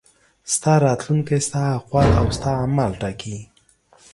ستا راتلونکی ستا اقوال او ستا اعمال ټاکي.